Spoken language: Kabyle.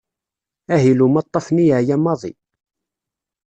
Ahil umaṭṭaf-nni yeɛya maḍi.